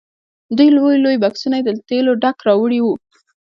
دوه لوی لوی بکسونه یې له تېلو ډک راوړي وو.